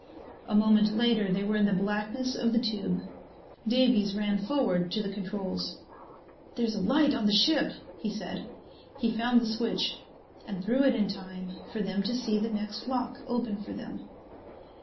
A moment later they were in the blackness of the tube. Davies ran forward to the controls. "There's a light on the ship," he said. He found the switch and threw it in time for them to see the next lock open for them.